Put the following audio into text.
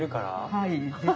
はい。